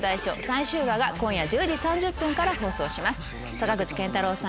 坂口健太郎さん